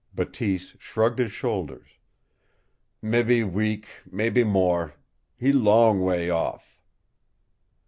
Bateese shrugged his shoulders. "Mebby week, mebby more. He long way off."